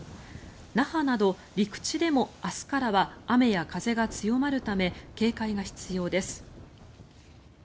那覇など陸地でも明日からは雨や風が強まるため警戒が必要です。